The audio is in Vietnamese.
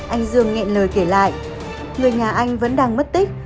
anh dương nghẹn lời kể lại người nhà anh vẫn đang mất tích